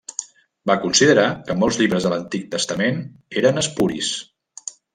Va considerar que molts llibres de l'Antic Testament eren espuris.